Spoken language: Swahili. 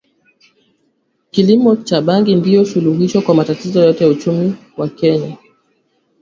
kilimo cha bangi ndio suluhisho kwa matatizo yote ya uchumi wa Kenya